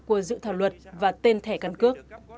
của dự thảo luật và tên thẻ căn cước